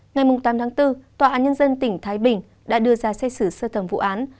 ngày tám tháng bốn tòa án nhân dân tỉnh thái bình đã đưa ra xét xử sơ thẩm vụ án